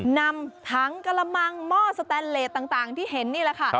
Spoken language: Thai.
นำถังกระมังหม้อสแตนเลสต่างที่เห็นนี่แหละค่ะ